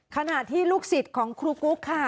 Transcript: ขณะที่ลูกศิษย์ของครูกุ๊กค่ะ